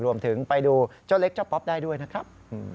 ไปดูเจ้าเล็กเจ้าป๊อปได้ด้วยนะครับ